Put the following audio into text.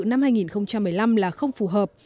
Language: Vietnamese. năm hai nghìn một mươi năm là không phù hợp